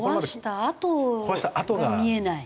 壊したあとが見えない？